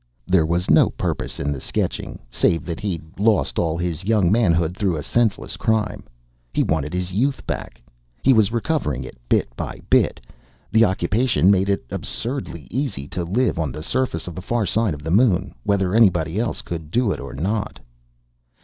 There was no purpose in the sketching, save that he'd lost all his young manhood through a senseless crime. He wanted his youth back. He was recovering it bit by bit. The occupation made it absurdly easy to live on the surface of the far side of the Moon, whether anybody else could do it or not.